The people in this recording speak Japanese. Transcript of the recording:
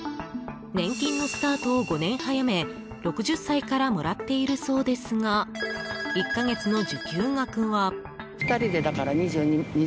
年金のスタートを５年早め６０歳からもらっているそうですが１か月の受給額は。